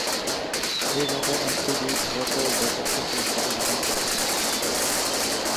এইভাবে এমটিভি ভারতেও ব্যাপক সফলতা অর্জন করেছে।